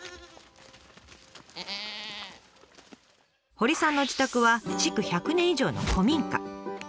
堀さんの自宅は築１００年以上の古民家。